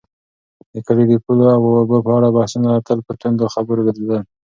د کلي د پولو او اوبو په اړه بحثونه تل په توندو خبرو بدلېدل.